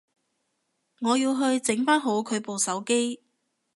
我要去整返好佢部手機